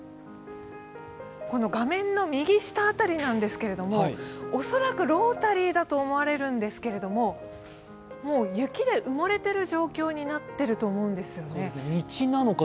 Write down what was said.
画面の右下辺り恐らくロータリーだと思われるんですけれども、もう雪で埋もれている状況になっていると思うんですね。